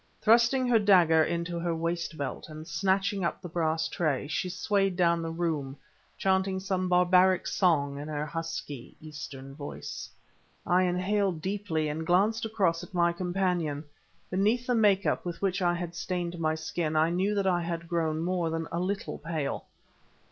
Thrusting her dagger into her waist belt, and snatching up the brass tray, she swayed down the room, chanting some barbaric song in her husky Eastern voice. I inhaled deeply and glanced across at my companion. Beneath the make up with which I had stained my skin, I knew that I had grown more than a little pale.